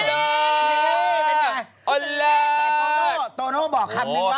แต่โตโน้โตโน้บอกครั้งนึงนะ